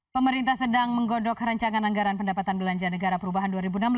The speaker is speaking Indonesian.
pemerintah sedang menggodok rancangan anggaran pendapatan belanja negara perubahan dua ribu enam belas